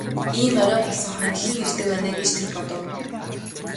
Ийм орой болсон хойно хэн ирдэг байна аа гэж тэр бодов.